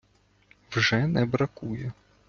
Вже не бракує.